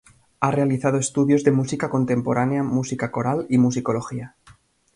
Ha realizado estudios de música contemporánea, música coral y musicología.